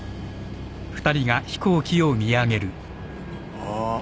ああ。